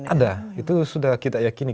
ada itu sudah kita yakini